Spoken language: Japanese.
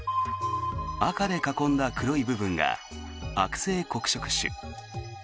赤で囲んだ黒い部分が悪性黒色腫。